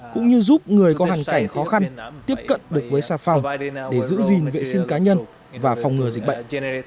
cũng như giúp người có hoàn cảnh khó khăn tiếp cận được với xà phòng để giữ gìn vệ sinh cá nhân và phòng ngừa dịch bệnh